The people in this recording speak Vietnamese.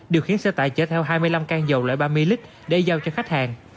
điều khiến xe tải chở theo hai mươi năm can dầu loại ba mươi lít để giao cho khách hàng